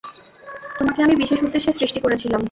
তোমাকে আমি বিশেষ উদ্দেশ্যে সৃষ্টি করেছিলাম।